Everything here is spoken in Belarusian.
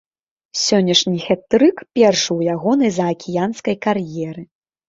Сённяшні хет-трык першы ў ягонай заакіянскай кар'еры.